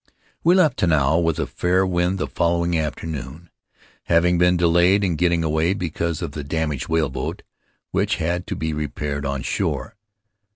We left Tanao with a fair wind the following after noon, having been delayed in getting away because of the damaged whaleboat, which had to be repaired on shore.